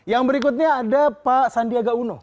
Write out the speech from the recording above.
yang berikutnya ada pak sandiaga uno